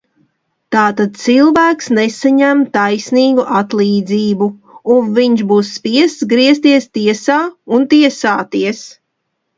Tātad cilvēks nesaņem taisnīgu atlīdzību, un viņš būs spiests griezties tiesā un tiesāties.